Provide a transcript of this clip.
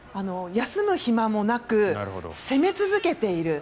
休む暇もなく攻め続けている。